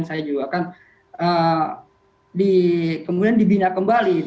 dan juga kita harus memiliki program yang berbeda